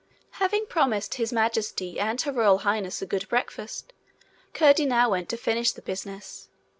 Having promised His Majesty and Her Royal Highness a good breakfast, Curdie now went to finish the business.